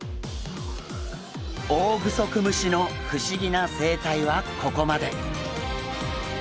オオグソクムシの不思議な生態はここまで。